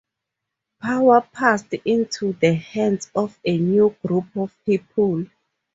Power passed into the hands of a new group of people.